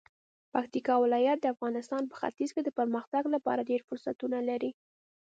پکتیکا ولایت د افغانستان په ختیځ کې د پرمختګ لپاره ډیر فرصتونه لري.